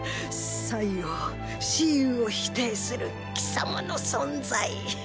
祭を蚩尤を否定する貴様の存在！